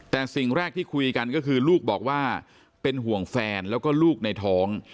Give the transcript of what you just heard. แต่สิ่งแรกที่คุยกันก็คือลูกบอกว่าเป็นห่วงแฟนแล้วก็ลูกในท้อง